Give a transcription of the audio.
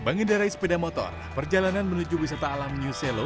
bangedara ispeda motor perjalanan menuju wisata alam new selo